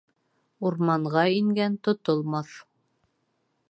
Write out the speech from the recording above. Урманға ингән тотолмаҫ.